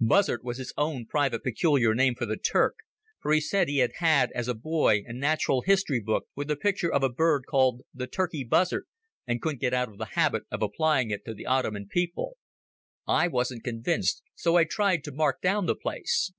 Buzzard was his own private peculiar name for the Turk, for he said he had had as a boy a natural history book with a picture of a bird called the turkey buzzard, and couldn't get out of the habit of applying it to the Ottoman people. I wasn't convinced, so I tried to mark down the place.